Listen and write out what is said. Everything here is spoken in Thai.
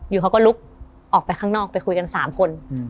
อยู่เขาก็ลุกออกไปข้างนอกไปคุยกัน๓คน